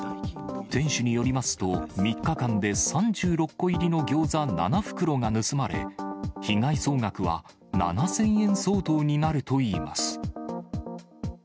店主によりますと、３日間で３６個入りのギョーザ７袋が盗まれ、被害総額は７０００円相当になるといいます。